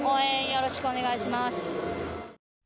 よろしくお願いします。